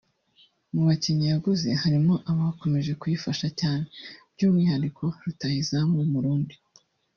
Mu bakinnyi yaguze harimo abakomeje kuyifasha cyane by’umwihariko rutahizamu w’Umurundi